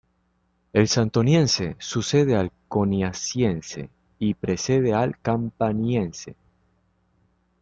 El Santoniense sucede al Coniaciense y precede al Campaniense.